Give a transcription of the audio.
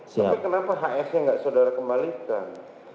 tapi kenapa hsnya gak saudara kembalikan